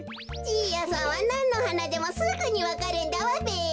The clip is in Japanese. じいやさんはなんのはなでもすぐにわかるんだわべ。